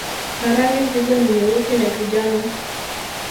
Na rangi hizo ni Nyeusi na kijani